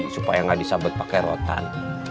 supaya nggak disabet pakai rotan